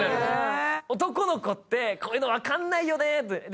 男の子ってこういうの分かんないよねって分かる。